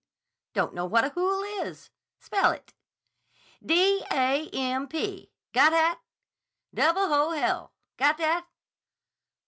don't know what a hool is. Spell it? D a m p; got hat?... H double o l. Got that?